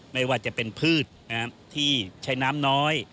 ไม่ว่าจะเป็นพืชที่ใช้น้ำน้อย